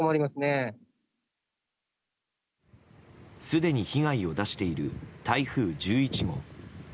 すでに被害を出している台風１１号。